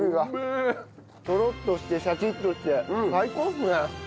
とろっとしてシャキッとして最高ですね。